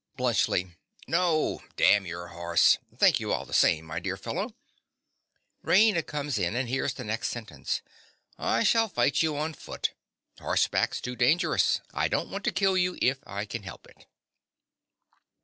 BLUNTSCHLI. No: damn your horse!— thank you all the same, my dear fellow. (Raina comes in, and hears the next sentence.) I shall fight you on foot. Horseback's too dangerous: I don't want to kill you if I can help it.